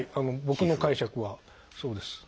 僕の解釈はそうです。